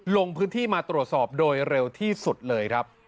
ลงพื้นที่มาตรวจสอบโดยเร็วที่สุดเลยครับ